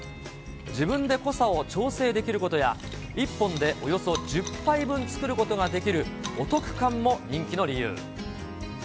自分で濃さを調整できることや、１本でおよそ１０杯分作ることができる、お得感も人気の理由。